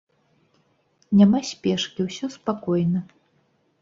Няма спешкі ўсё спакойна.